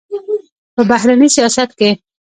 په بهرني سیاست کې